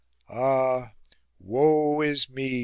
" Ah, woe is me